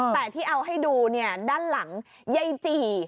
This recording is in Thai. แต่ที่เอาให้ดูเนี่ยด้านหลังยายจี่